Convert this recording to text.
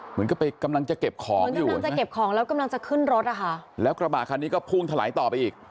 เหมือนกับกำลังจะเก็บของแล้วกำลังจะขึ้นรถอ่ะค่ะแล้วกระบะคันนี้ก็พุ่งถลายต่อไปอีก